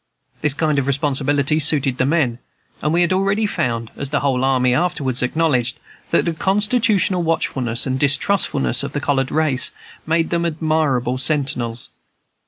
This kind of responsibility suited the men; and we had already found, as the whole army afterwards acknowledged, that the constitutional watchfulness and distrustfulness of the colored race made them admirable sentinels.